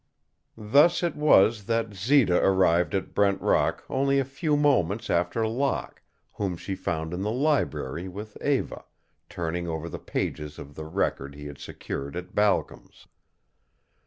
Thus it was that Zita arrived at Brent Rock only a few moments after Locke, whom she found in the library with Eva, turning over the pages of the record he had secured at Balcom's.